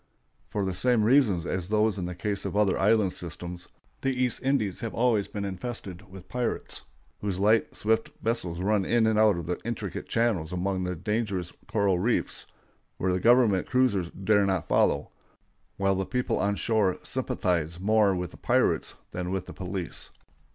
For the same reasons as those in the case of other island systems, the East Indies have always been infested with pirates, whose light, swift vessels run in and out of the intricate channels among the dangerous coral reefs, where government cruisers dare not follow, while the people on shore sympathize more with the pirates than with the police.